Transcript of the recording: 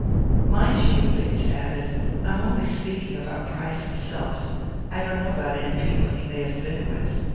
"Mind you," Bates added, "I am only speaking about Price himself. I don't know about any people he may have been with.